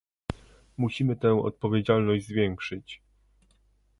Musimy tę odpowiedzialność zwiększyć